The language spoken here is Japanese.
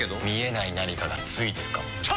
見えない何かがついてるかも。